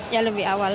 ya lebih awal